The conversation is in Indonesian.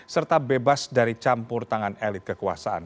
serta bebas dari campur tangan elit kekuasaan